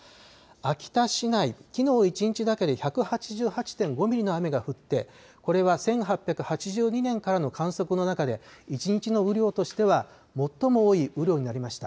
秋田市内、きのう一日だけで１８８．５ミリの雨が降って、これは１８８２年からの観測の中で１日の雨量としては最も多い雨量になりました。